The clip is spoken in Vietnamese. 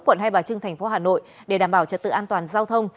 quận hai bà trưng thành phố hà nội để đảm bảo trật tự an toàn giao thông